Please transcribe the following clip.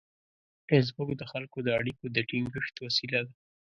فېسبوک د خلکو د اړیکو د ټینګښت وسیله ده